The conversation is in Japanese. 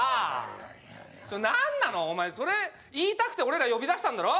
何なの、それ言いたくて俺ら呼び出したんだろ？